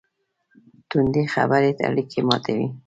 توندې خبرې اړیکې ماتوي.